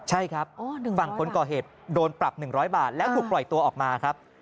ใช่ครับฝั่งคนก่อเหตุโดนปรับ๑๐๐บาทแล้วถูกปล่อยตัวออกมาครับ